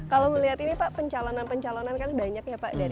kalau melihat ini pak pencalonan pencalonan kan banyak ya pak